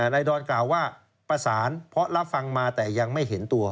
ดอนกล่าวว่าประสานเพราะรับฟังมาแต่ยังไม่เห็นตัว